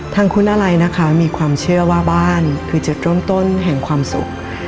ทางคุณาไรมีความเชื่อว่าบ้านคือเจอต้นแห่งความสุข